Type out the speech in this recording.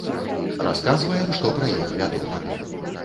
Расказваем, што пра іх вядома.